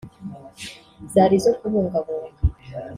zari izo kubungabunga